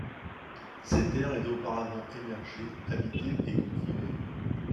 Ces terres étaient auparavant émergées, habitées et cultivées.